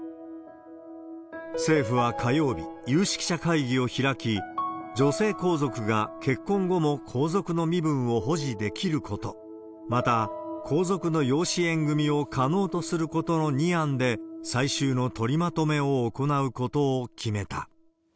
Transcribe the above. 政府は火曜日、有識者会議を開き、女性皇族が結婚後も皇族の身分を保持できること、また、皇族の養子縁組みを可能とすることの２案で、最終の取りまとめを行うことを決めた。